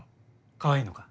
かわいいのか？